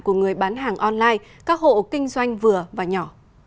của người bán hàng online các hộ kinh doanh vừa và nhỏ